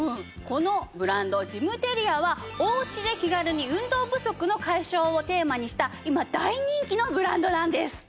このブランドジムテリアはおうちで気軽に運動不足の解消をテーマにした今大人気のブランドなんです。